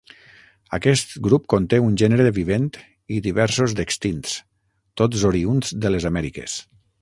Aquest grup conté un gènere vivent i diversos d'extints, tots oriünds de les Amèriques.